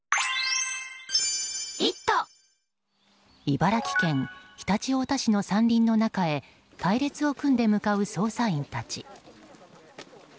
茨城県常陸太田市の山林の中へ隊列を組んで向かう捜査員たち。